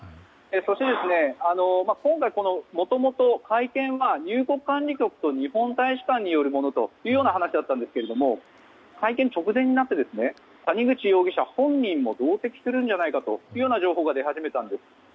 そして、もともと会見は入国管理局と日本大使館によるものという話だったんですけれども会見直前になって谷口容疑者本人も同席するんじゃないかという情報が出始めたんです。